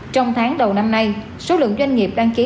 trong tháng đầu năm nay số lượng doanh nghiệp đăng ký